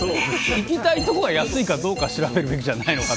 行きたい所が安いかどうかを調べるべきじゃないかなと。